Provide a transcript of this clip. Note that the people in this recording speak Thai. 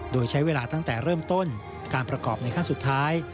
โดยใช้เวลาตั้งแต่เริ่มต้นการประกอบในขั้นสุดท้าย